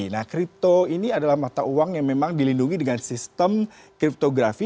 nah kripto ini adalah mata uang yang memang dilindungi dengan sistem kriptografi